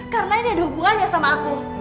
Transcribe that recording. karena ini ada hubungannya sama aku